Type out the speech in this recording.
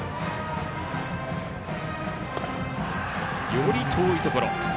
より遠いところ。